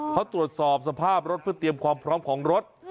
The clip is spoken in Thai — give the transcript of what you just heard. เขาตรวจสอบสภาพรถเพื่อเตรียมความพร้อมของรถ